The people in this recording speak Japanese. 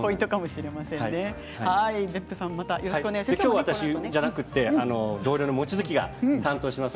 今日は私じゃなくて同僚の望月が担当します。